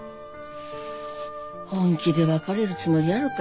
本気で別れるつもりやろか？